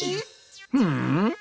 うん？